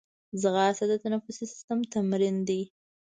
ځغاسته د تنفسي سیستم تمرین دی